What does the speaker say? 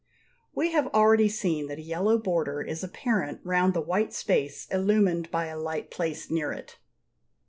We have already seen that a yellow border is apparent round the white space illumined by a light placed near it.